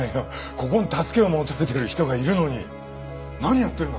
ここに助けを求めてる人がいるのに何やってるんだ？